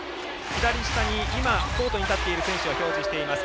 左下に今コートに立っている選手が表示されています。